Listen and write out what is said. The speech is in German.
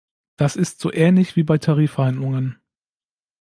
Das ist so ähnlich wie bei Tarifverhandlungen.